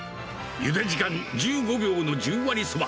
ゆで時間１５秒の十割そば。